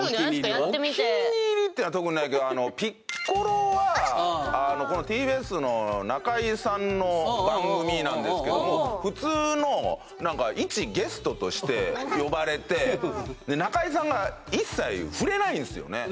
やってみてお気に入りってのは特にないけどピッコロはこのＴＢＳのなんですけども普通のいちゲストとして呼ばれて中居さんが一切触れないんですよね